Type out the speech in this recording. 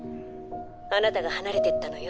あなたが離れていったのよ。